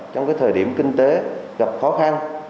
trong thời điểm kinh tế gặp khó khăn